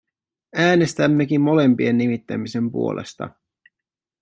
Äänestämmekin molempien nimittämisen puolesta.